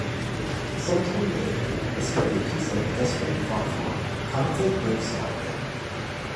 Sometime later, despite the peace they had desperately fought for, conflict breaks out again.